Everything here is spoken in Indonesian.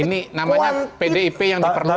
ini namanya pdip yang diperlukan